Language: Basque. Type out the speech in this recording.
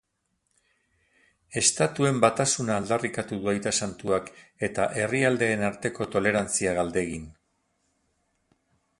Estatuen batasuna aldarrikatu du aita santuak eta herrialdeen arteko tolerantzia galdegin.